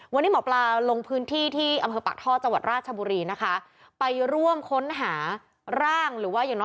วันนี้หมอปลาลงพื้นที่ที่อำเภอปากท่อจังหวัดราชบุรีนะคะไปร่วมค้นหาร่างหรือว่าอย่างน้อย